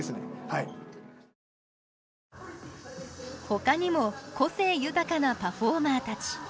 ほかにも個性豊かなパフォーマーたち。